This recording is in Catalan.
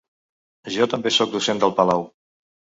Jo també sóc docent d’el Palau